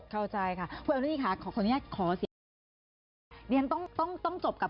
เข้าใจค่ะ